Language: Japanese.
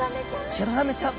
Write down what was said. シロザメちゃん。